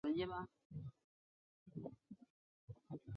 在女婴几个月大时